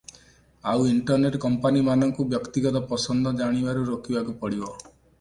ଆଉ ଇଣ୍ଟରନେଟ କମ୍ପାନିମାନଙ୍କୁ ବ୍ୟକ୍ତିଗତ ପସନ୍ଦ ଜାଣିବାରୁ ରୋକିବାକୁ ପଡ଼ିବ ।